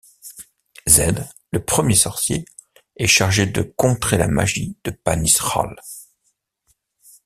Zedd, le Premier Sorcier, est chargé de contrer la magie de Panis Rahl.